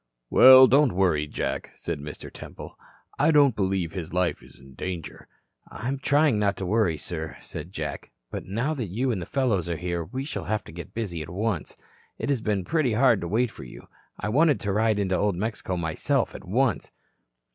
"Well, don't worry, Jack," said Mr. Temple. "I don't believe his life is in danger." "I'm trying not to worry, sir," said Jack. "But now that you and the fellows are here, we shall have to get busy at once. It has been pretty hard to wait for you. I wanted to ride into Old Mexico myself at once."